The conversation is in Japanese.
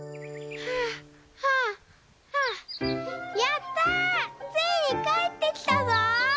「はあはあはあやったついにかえってきたぞ！」。